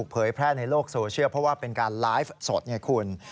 เผยแพร่ในโลกโซเชียลเพราะว่าเป็นการไลฟ์สดไงคุณ